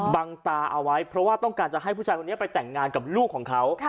บังตาเอาไว้เพราะว่าต้องการจะให้ผู้ชายคนนี้ไปแต่งงานกับลูกของเขา